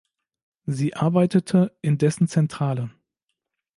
Sie arbeitete in dessen Zentrale.